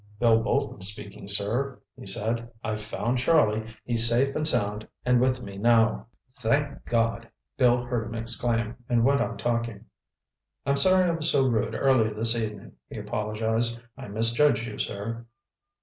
"Bill Bolton speaking, sir," he said. "I've found Charlie. He's safe and sound and with me now." "Thank God!" Bill heard him exclaim, and went on talking. "I'm sorry I was so rude earlier this evening," he apologized. "I misjudged you, sir."